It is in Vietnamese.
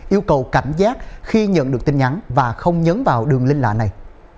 yêu cầu cảnh giác khi nhận được tin nhắn và không nhấn vào đường link lạ này